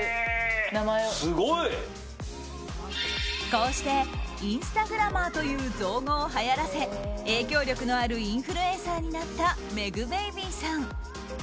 こうしてインスタグラマーという造語をはやらせ影響力のあるインフルエンサーになったｍｅｇｂａｂｙさん。